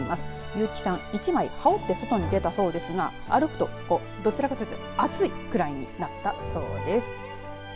結城さん１枚羽織って外に出たそうですが、歩くと歩くとどちらかというと暑いくらいになったそうです。